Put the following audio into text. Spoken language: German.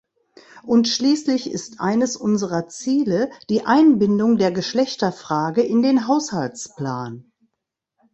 Und schließlich ist eines unserer Ziele die Einbindung der Geschlechterfrage in den Haushaltsplan.